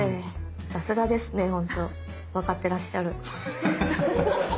さすがですねほんと分かってらっしゃる。